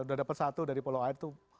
sudah dapat satu dari pola air itu